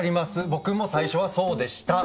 僕も最初はそうでした。